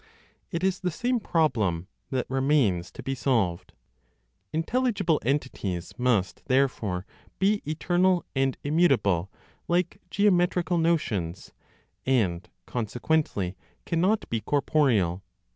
It is the same problem that remains to be solved. Intelligible entities must therefore be eternal and immutable, like geometrical notions, and consequently cannot be corporeal.